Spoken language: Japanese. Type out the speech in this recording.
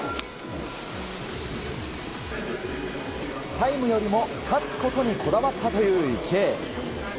タイムよりも勝つことにこだわったという池江。